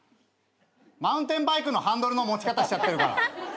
マウンテンバイクのハンドルの持ち方しちゃってるから。